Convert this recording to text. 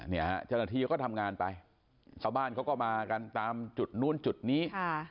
นี่ฮะจรฐีก็ทำงานไปชาวบ้านก็มากันตามจุดนู้นจุดนี้